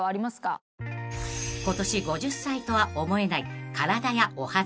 ［今年５０歳とは思えない体やお肌］